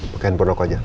pakein produk aja